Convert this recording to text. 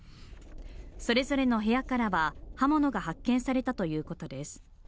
それぞれの部屋からは刃物が発見されたということです。